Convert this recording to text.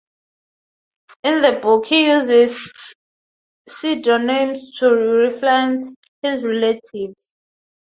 In the book he uses pseudonyms to reference his relatives.